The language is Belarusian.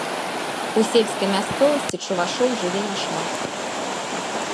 У сельскай мясцовасці чувашоў жыве няшмат.